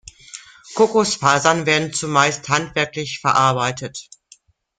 Kokosfasern werden zumeist handwerklich verarbeitet.